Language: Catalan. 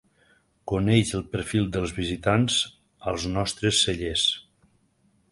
Coneix el perfil dels visitants als nostres cellers.